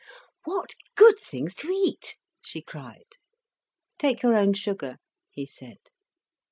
"What good things to eat!" she cried. "Take your own sugar," he said.